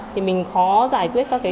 thì mình khó giải quyết các cái